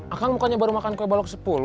akang bukannya baru makan kue balok sepuluh